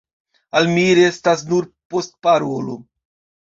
Al mi restas nur postparolo.